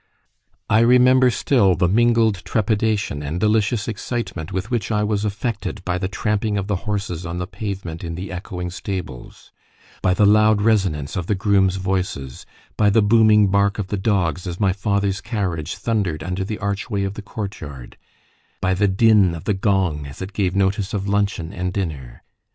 I remember still the mingled trepidation and delicious excitement with which I was affected by the tramping of the horses on the pavement in the echoing stables, by the loud resonance of the groom's voices, by the booming bark of the dogs as my father's carriage thundered under the archway of the courtyard, by the din of the gong as it gave notice of luncheon and dinner.